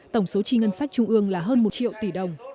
tổng số chi ngân sách trung ương là hơn một triệu tỷ đồng